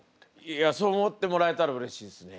いやそう思ってもらえたらうれしいですね。